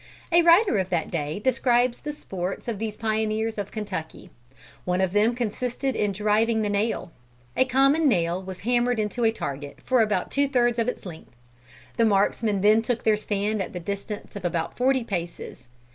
A writer of that day describes the sports of these pioneers of Kentucky. One of them consisted in "driving the nail." A common nail was hammered into a target for about two thirds of its length. The marksmen then took their stand at the distance of about forty paces.